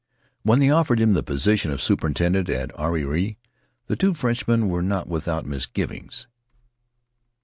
When they offered him the position of superintendent at Ariri the two Frenchmen were not without mis givings.